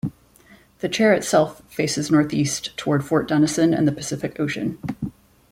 The chair itself faces north-east towards Fort Denison and the Pacific Ocean.